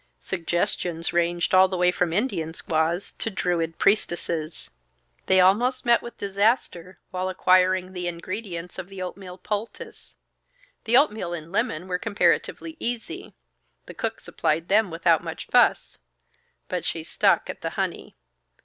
Suggestions ranged all the way from Indian squaws to Druid priestesses. They almost met with disaster while acquiring the ingredients of the oatmeal poultice. The oatmeal and lemon were comparatively easy; the cook supplied them without much fuss. But she stuck at the honey.